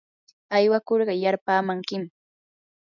aywakurqa yarpaamankim.